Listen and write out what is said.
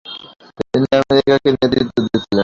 তিনি আমেরিকাকে নেতৃত্ব দিয়েছিলেন।